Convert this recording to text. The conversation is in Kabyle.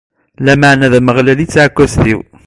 Lameɛna d Ameɣlal i d taɛekkazt-iw.